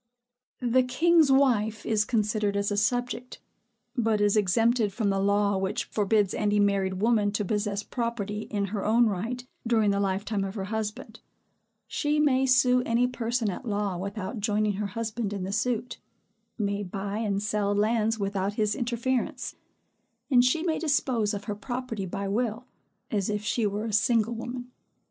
The king's wife is considered as a subject; but is exempted from the law which forbids any married woman to possess property in her own right during the lifetime of her husband; she may sue any person at law without joining her husband in the suit; may buy and sell lands without his interference; and she may dispose of her property by will, as if she were a single woman.